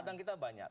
ladang kita banyak